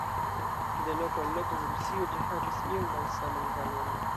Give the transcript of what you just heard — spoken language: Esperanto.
De loko al loko en Rusio ĝi havis iom malsaman valoron.